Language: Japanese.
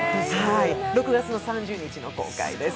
６月３０日の公開です。